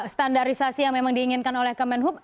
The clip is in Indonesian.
standarisasi yang memang diinginkan oleh kemenhub